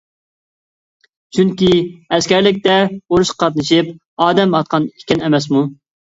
چۈنكى ئەسكەرلىكتە ئۇرۇشقا قاتنىشىپ، ئادەم ئاتقان ئىكەن ئەمەسمۇ.